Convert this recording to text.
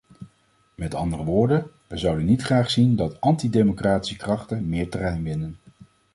Met andere woorden, we zouden niet graag zien dat antidemocratische krachten meer terrein winnen.